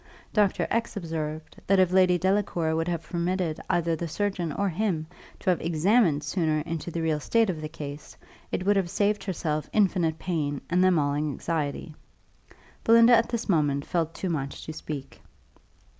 Dr. X observed, that if Lady Delacour would have permitted either the surgeon or him to have examined sooner into the real state of the case, it would have saved herself infinite pain, and them all anxiety. Belinda at this moment felt too much to speak.